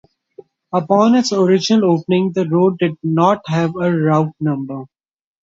Upon its original opening, the road did not have a route number.